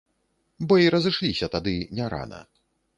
Бо й разышліся тады не рана.